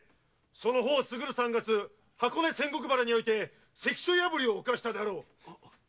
その方過ぐる三月箱根仙石原において関所破りを犯したであろう！